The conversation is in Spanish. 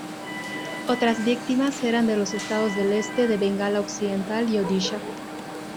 Otras víctimas eran de los estados del este de Bengala Occidental y Odisha.